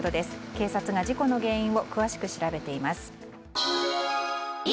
警察が事故の原因を詳しく調べています。